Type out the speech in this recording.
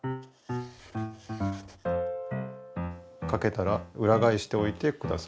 書けたらうらがえしておいてください。